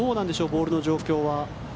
ボールの状況は。